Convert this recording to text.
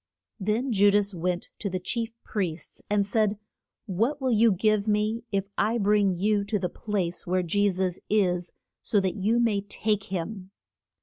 Then Ju das went to the chief priests and said, What will you give me if I bring you to the place where Je sus is, so that you may take him?